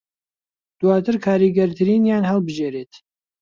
دوواتر کاریگەرترینیان هەڵبژێریت